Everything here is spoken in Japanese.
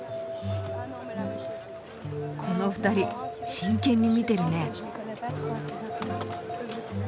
この２人真剣に見てるね。